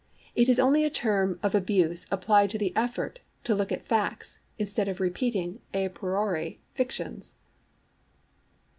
It is only a term of abuse applied to the effort to look at facts instead of repeating a priori fictions.